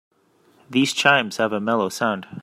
These chimes have a mellow sound.